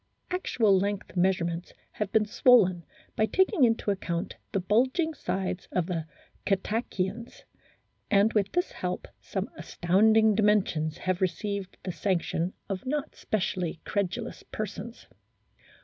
Actual length measure ments have been swollen by taking into account the bulging sides of the Cetaceans, and with this help some astounding dimensions have received the sanc tion of not specially credulous persons.